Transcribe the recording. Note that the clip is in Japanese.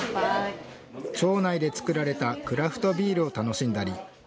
町内でつくられたクラフトビールを楽しんだり。